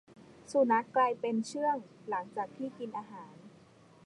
สุนัขกลายเป็นเชื่องหลังจากที่กินอาหาร